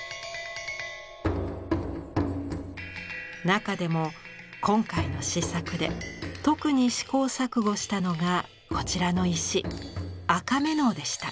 中でも今回の試作で特に試行錯誤したのがこちらの石赤瑪瑙でした。